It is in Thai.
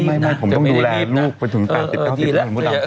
ไม่ผมต้องดูแลลูกไปถึงตากติดเก้าติดเก้า